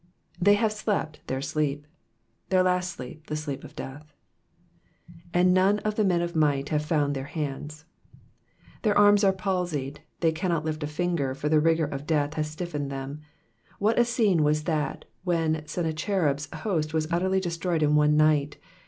^*'They have slept their sleep,^^ Their last sleep— the sleep of death. ^^And none of the men of might hate found their hands.'*^ Their arms are palsied, they cannot lift a finger, for the rigour of death has stiffened them. What a scene was that when Sennacherib's host was utterly destroyed in one night.